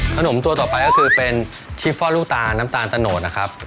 ตัวต่อไปก็คือเป็นชิฟฟอลลูกตาลน้ำตาลตะโนดนะครับ